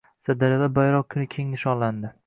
Sirdaryoda bayroq kuni keng nishonlandi